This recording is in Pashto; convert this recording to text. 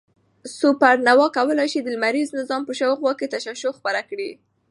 سوپرنووا کولای شي د لمریز نظام په شاوخوا کې تشعشع خپره کړي.